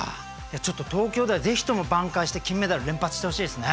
ちょっと東京では是非とも挽回して金メダル連発してほしいですね。